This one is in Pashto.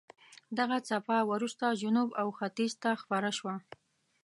دغه څپه وروسته جنوب او ختیځ ته خپره شوه.